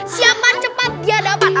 siapa cepat dia dapat